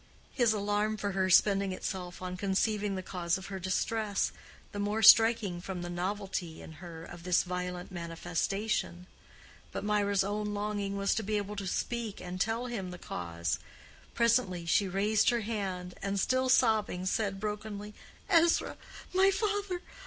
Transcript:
His alarm for her spending itself on conceiving the cause of her distress, the more striking from the novelty in her of this violent manifestation. But Mirah's own longing was to be able to speak and tell him the cause. Presently she raised her hand, and still sobbing, said brokenly, "Ezra, my father!